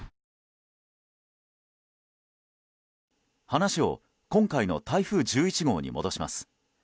話を今回の台風１１号に戻します。